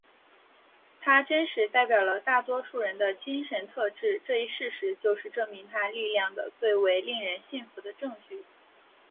他真实代表了大多数人的精神特质这一事实就是证明他力量的最为令人信服的证据。